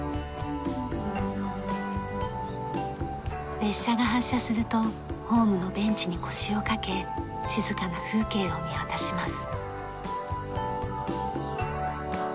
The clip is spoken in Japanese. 列車が発車するとホームのベンチに腰を掛け静かな風景を見渡します。